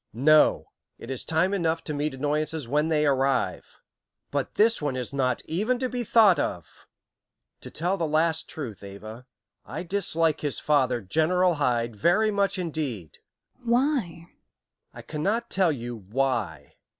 "No. It is time enough to meet annoyances when they arrive. But this is one not even to be thought of to tell the last truth, Ava, I dislike his father, General Hyde, very much indeed." "Why?" "I cannot tell you 'why.'